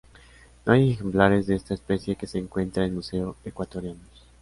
No hay ejemplares de esta especie que se encuentren en museos ecuatorianos.